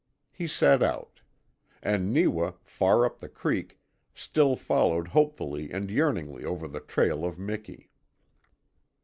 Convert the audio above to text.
He set out. And Neewa, far up the creek, still followed hopefully and yearningly over the trail of Miki.